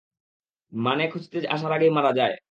মানে খুঁজতে আসার আগেই মারা যায়?